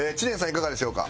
いかがでしょうか？